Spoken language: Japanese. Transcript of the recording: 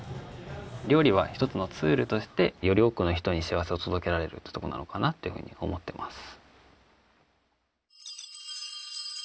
料理は一つのツールとしてより多くの人に幸せを届けられるってとこなのかなっていうふうに思ってます